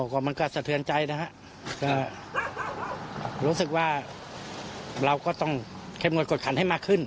ก็มันก็สะเทือนใจนะฮะก็รู้สึกว่าเราก็ต้องเข้มงวดกวดขันให้มากขึ้น